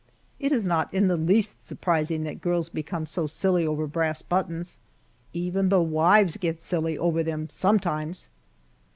It is not in the least surprising that girls become so silly over brass buttons. Even the wives get silly over them sometimes!